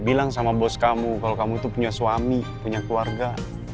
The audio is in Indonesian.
bilang sama bos kamu kalau kamu itu punya suami punya keluarga